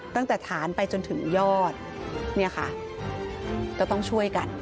ตั้งแต่ฐานไปจนถึงยอดเนี่ยค่ะก็ต้องช่วยกัน